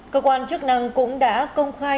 cơ quan chức năng cũng đã công khai